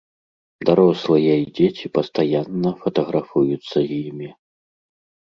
Дарослыя і дзеці пастаянна фатаграфуюцца з імі.